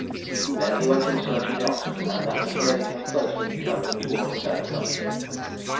Then he went in search of the oxen, and, after herding them closely, drove them toward his own country.